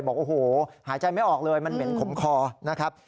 บอกโอ้โหหายใจไม่ออกเลยมันเหม็นขมคอนะครับ